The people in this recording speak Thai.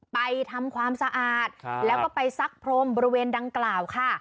ไปทำความสะอาดแล้วก็ไปซักพรมบริเวณดังกล่าวค่ะ